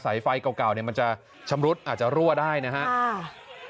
สายไฟเก่ามันจะชำรุดอาจจะรั่วได้นะครับ